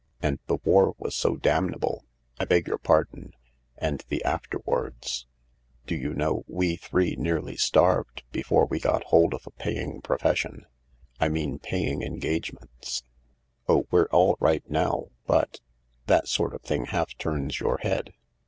And the war was so damnable — I beg your pardon. And the afterwards. Do you know, we three nearly starved before we got hold of a paying profession' — I mean paying ergage ments ? Oh, we're all right now, but— that sort of thing half turns your head.